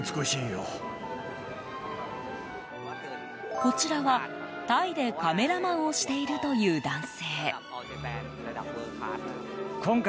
こちらはタイでカメラマンをしているという男性。